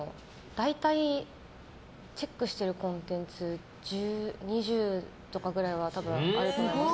大体チェックしてるコンテンツ２０とかぐらいはあると思います。